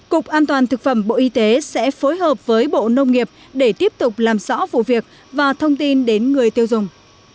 cục an toàn thực phẩm bộ y tế sẽ phối hợp với bộ nông nghiệp để tiếp tục làm rõ vụ việc và thông tin đến người tiêu dùng